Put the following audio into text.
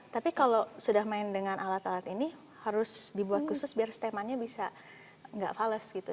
tapi kalau sudah main dengan alat alat ini harus dibuat khusus biar stemannya bisa nggak fales gitu